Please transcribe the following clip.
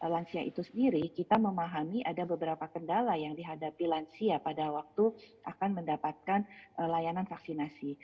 lansia itu sendiri kita memahami ada beberapa kendala yang dihadapi lansia pada waktu akan mendapatkan layanan vaksinasi